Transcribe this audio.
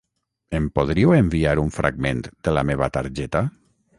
Em podríeu enviar un fragment de la meva targeta?